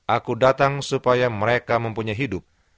aku datang supaya mereka mempunyai hidup